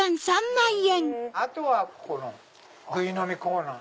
あとはここのぐい飲みコーナー。